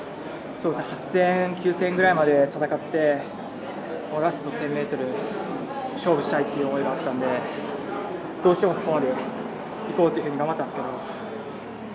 ８０００、９０００ぐらいまで戦ってラスト１０００ｍ勝負したいという思いがあったんで、どうしてもここまでいこうっていうふうに頑張ったんですけど。